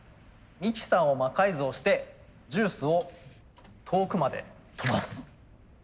ミキサーを魔改造してジュースを遠くまで飛ばす。